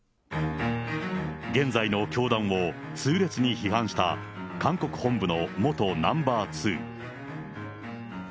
現在の教団を痛烈に批判した韓国本部の元ナンバー２。